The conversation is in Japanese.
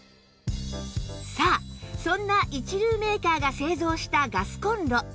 さあそんな一流メーカーが製造したガスコンロ